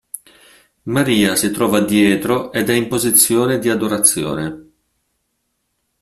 Maria si trova dietro ed è in posizione di adorazione.